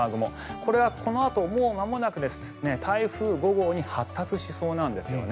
これはこのあと、もうまもなく台風５号に発達しそうなんですね。